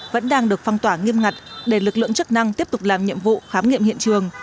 vẫn đang được phong tỏa nghiêm ngặt để lực lượng chức năng tiếp tục làm nhiệm vụ khám nghiệm hiện trường